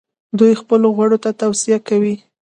دوی خپلو غړو ته توصیه کوي.